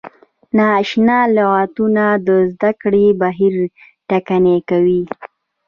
نا اشنا لغتونه د زده کړې بهیر ټکنی کوي.